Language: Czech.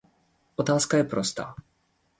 Otázka je prostá.